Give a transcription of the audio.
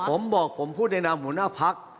ผมบอกผมพูดในนามหัวหน้าพัก